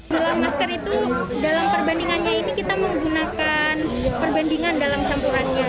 kalau masker itu dalam perbandingannya ini kita menggunakan perbandingan dalam campurannya